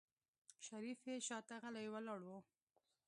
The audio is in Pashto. شريف يې شاته غلی ولاړ و.